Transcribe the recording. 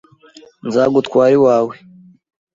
Nzagutwara iwawe.